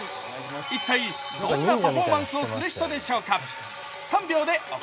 一体、どんなパフォーマンスをする人でしょうか？